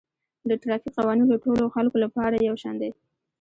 د ټرافیک قوانین د ټولو خلکو لپاره یو شان دي